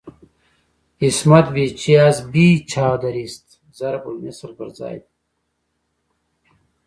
"عصمت بی چه از بی چادریست" ضرب المثل پر ځای دی.